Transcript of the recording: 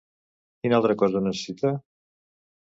Quina altra cosa necessita?